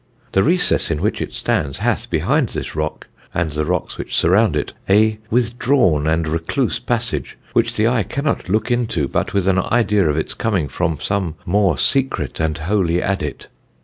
The recess in which it stands hath, behind this rock, and the rocks which surround it, a withdrawn and recluse passage which the eye cannot look into but with an idea of its coming from some more secret and holy adyt.